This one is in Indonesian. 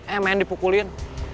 eh main dipukulin